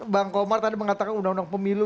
bang komar tadi mengatakan undang undang pemilu